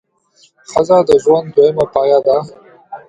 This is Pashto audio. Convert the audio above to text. ښځه د ژوند دویمه پهیه ده.